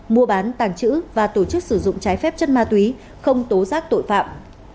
mua bán tàng chữ và tổ chức sử dụng trái phép chân ma túy không tố giác tội phạm